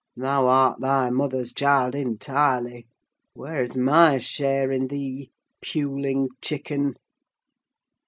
Thou art thy mother's child, entirely! Where is my share in thee, puling chicken?"